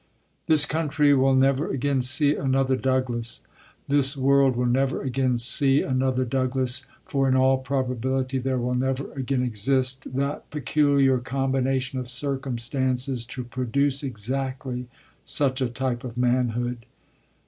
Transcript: This country will never again see another Douglass; this world will never again see another Douglass, for in all probability there will never again exist that peculiar combination of circumstances to produce exactly such a type of manhood.